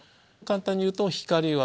簡単にいうと。